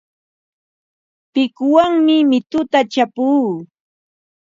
Pikuwanmi mituta chapuu.